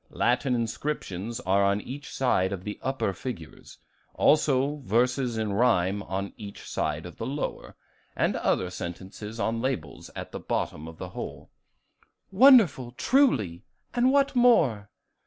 Latin inscriptions are on each side of the upper figures, also verses in rhyme on each side of the lower, and other sentences on labels at the bottom of the whole." "Wonderful truly! and what more?"